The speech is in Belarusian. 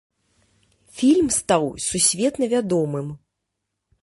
Фільм стаў сусветна вядомым.